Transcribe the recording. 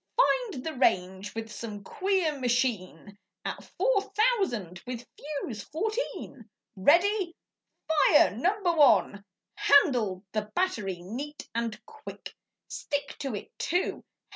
Find the range with some queer machine 'At four thousand with fuse fourteen. Ready! Fire number one!' Handled the battery neat and quick! Stick to it, too!